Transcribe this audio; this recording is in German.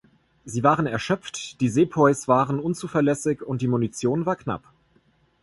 Sie waren erschöpft, die Sepoys waren unzuverlässig und die Munition war knapp.